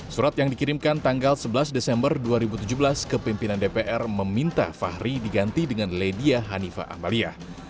surat yang dikirimkan tanggal sebelas desember dua ribu tujuh belas ke pimpinan dpr meminta fahri diganti dengan ledia hanifa amalia